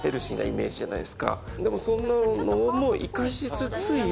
でもそんなのも生かしつつ。